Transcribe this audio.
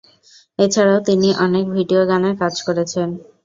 এছাড়াও তিনি অনেক ভিডিও গানেও কাজ করেছেন।